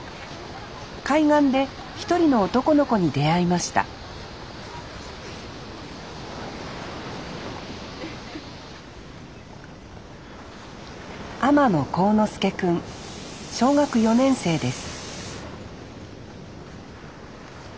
海岸で一人の男の子に出会いました小学４年生です